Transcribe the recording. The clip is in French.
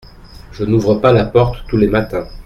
Je n’ouvre pas la porte tous les matins.